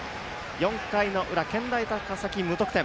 ４回の裏、健大高崎、無得点。